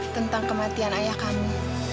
tentang kematian ayah kamu